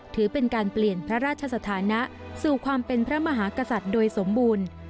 ถือเป็นการเปลี่ยนพระราชสถานะสู่ความเป็นพระมหากษัตริย์โดยสมบูรณ์